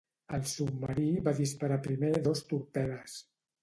El submarí va disparar primer dos torpedes.